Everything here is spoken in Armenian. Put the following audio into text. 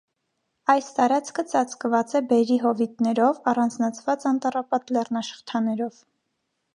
Այս տարածքը ծածկված է բերրի հովիտներով, առանձնացված անտառապատ լեռնաշղթաներով։